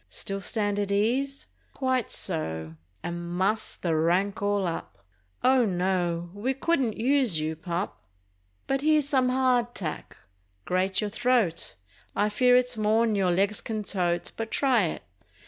Still stand at ease? Quite so—and muss the rank all up— Oh no, we couldn't use you, pup! But here's some "hard tack." Grate your throat! I fear it's more'n your legs can tote, But try it.